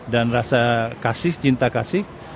rasa kasih cinta kasih